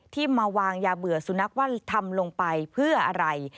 มาวางยาเบื่อสุนัขว่าทำลงไปเพื่ออะไร